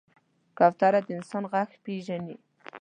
کوتره د انسان غږ پېژني.